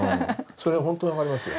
それは本当に分かりますよ。